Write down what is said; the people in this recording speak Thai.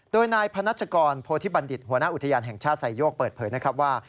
โดยนายพนัชกรโพธิบัณฑิตหัวหน้าอุทยานแห่งชาติไซโยกเปิดเผยนะครับว่า